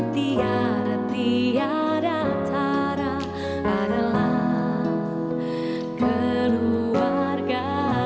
tiada tiada cara adalah keluarga